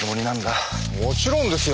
もちろんですよ。